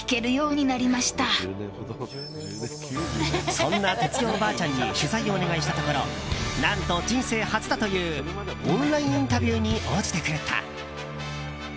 そんな哲代おばあちゃんに取材をお願いしたところ何と人生初だというオンラインインタビューに応じてくれた。